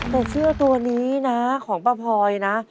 แต่เสื้อตัวนี้นะของป้าพลอยนะ